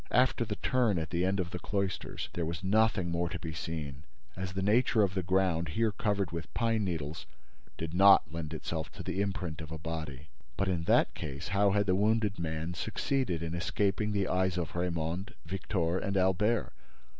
After the turn at the end of the cloisters, there was nothing more to be seen, as the nature of the ground, here covered with pine needles, did not lend itself to the imprint of a body. But, in that case, how had the wounded man succeeded in escaping the eyes of Raymonde, Victor and Albert?